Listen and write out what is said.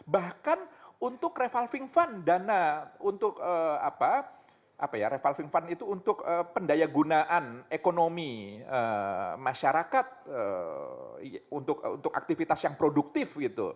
bahkan untuk revalving fund dana untuk revalving fund itu untuk pendaya gunaan ekonomi masyarakat untuk aktivitas yang produktif